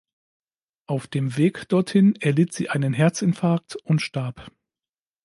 Auf dem Weg dorthin erlitt sie einen Herzinfarkt und starb.